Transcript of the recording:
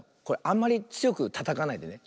あんまりつよくたたかないでね。